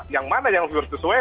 yang mana yang harus sesuai